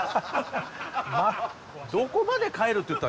どこまで帰るって言った？